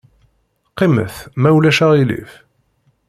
Qqimet, ma ulac aɣilif.